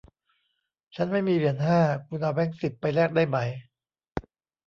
ฉันไม่มีเหรียญห้า คุณเอาแบงค์สิบไปแลกได้ไหม